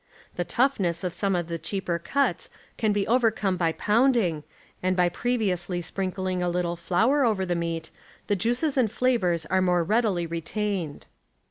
The toughness of some of the cheaper cuts can be overcome by pounding, antl by previously sprinkling a little flour over the meat the juices and fla\'ors are more readily retained.